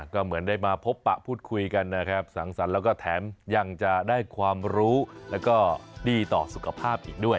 ก็เหมือนได้มาพบปะพูดคุยกันนะครับสังสรรค์แล้วก็แถมยังจะได้ความรู้แล้วก็ดีต่อสุขภาพอีกด้วย